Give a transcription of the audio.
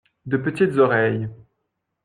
De petites oreilles.